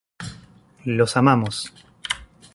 Los amamos.